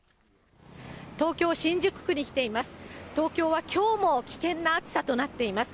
東京・新宿区に来ています。